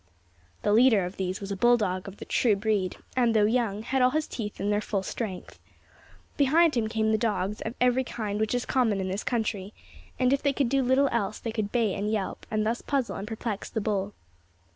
The leader of these was a bulldog of the true breed, and though young, had all his teeth in their full strength. Behind him came dogs of every kind which is common in this country, and if they could do little else, they could bay and yelp, and thus puzzle and perplex the bull.